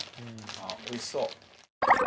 ああおいしそう！